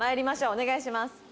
お願いします。